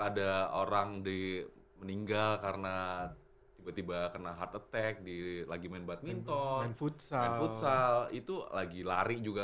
ada orang meninggal karena tiba tiba kena hard attack lagi main badminton main futsal itu lagi lari juga